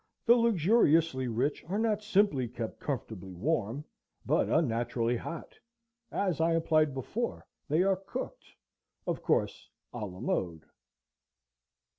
The luxuriously rich are not simply kept comfortably warm, but unnaturally hot; as I implied before, they are cooked, of course à la mode.